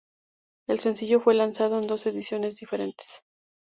El sencillo fue lanzado en dos ediciones diferentes.